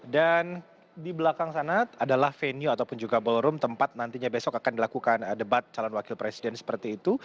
dan di belakang sana adalah venue ataupun juga ballroom tempat nantinya besok akan dilakukan debat calon wakil presiden seperti itu